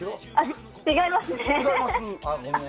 違いますね。